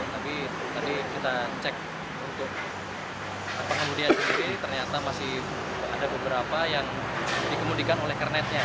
tapi tadi kita cek untuk pengemudian sendiri ternyata masih ada beberapa yang dikemudikan oleh kernetnya